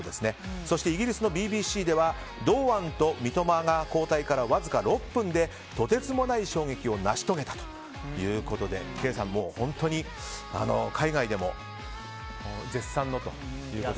そして、イギリスのＢＢＣでは堂安と三笘が交代からわずか６分でとてつもない衝撃を成し遂げたということでケイさん、海外でも絶賛と。